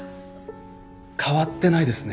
変わってないですね